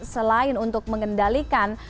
selain untuk mengendalikan